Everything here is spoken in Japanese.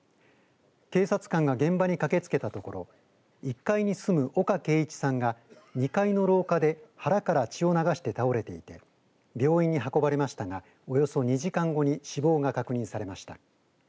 警察官が現場に駆けつけたところ１階に住む岡桂一さんが２階の廊下で腹から血を流して倒れていて病院に運ばれましたがおよそ２時間後に死亡が確認されました。